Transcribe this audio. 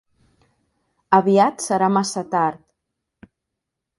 Aviat serà massa tard.